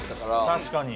確かに。